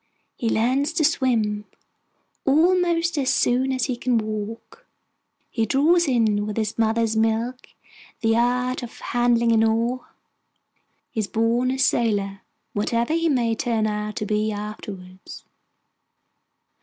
He learns to swim almost as soon as he can walk; he draws in with his mother's milk the art of handling an oar: he is born a sailor, whatever he may turn out to be afterwards.